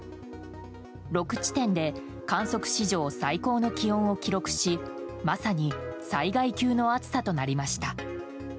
６地点で観測史上最高の気温を記録しまさに災害級の暑さとなりました。